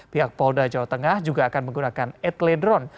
pihak polda jawa tengah juga akan menggunakan etledron